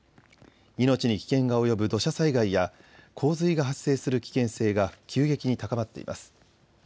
命に危険が及ぶ土砂災害や洪水が発生する危険性が急激に高まっています。